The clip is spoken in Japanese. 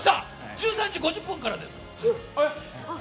１３時５０分からです。